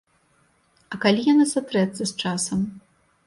А калі яна сатрэцца з часам?